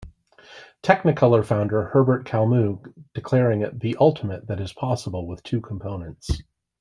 Technicolor founder Herbert Kalmus declaring it the ultimate that is possible with two components.